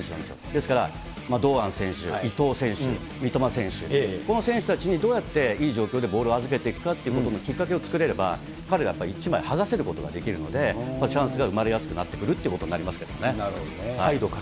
ですから堂安選手、伊東選手、三笘選手、この選手たちにどうやっていい状況でボールを預けていくかということのきっかけを作れれば、彼ら、やっぱり１枚剥がせることができるので、チャンスが生まれやすくなってくるということにななるほどね。